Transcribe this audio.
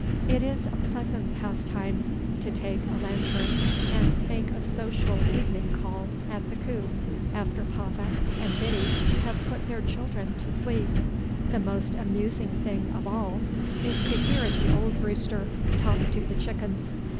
It is a pleasant pastime to take a lantern and make a social evening call at the coop after Papa and Biddy have put their children to sleep. The most amusing thing of all is to hear the old rooster talk to the chickens.